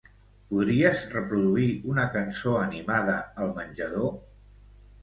Podries reproduir una cançó animada al menjador?